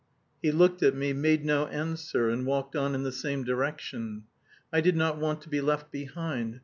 He looked at me, made no answer and walked on in the same direction. I did not want to be left behind.